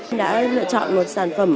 em đã lựa chọn một sản phẩm